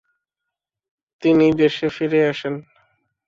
তিনি দেশে ফিরে আসেন।